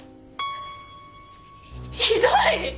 ひどい！